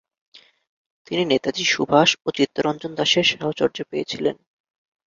তিনি নেতাজী সুভাষ ও চিত্তরঞ্জন দাশের সাহচর্য পেয়েছিলেন।